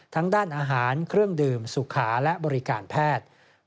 ด้านอาหารเครื่องดื่มสุขาและบริการแพทย์